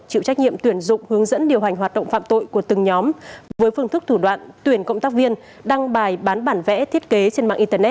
chịu trách nhiệm tuyển dụng hướng dẫn điều hành hoạt động phạm tội của từng nhóm